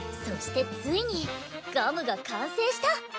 そしてついにガムが完成した。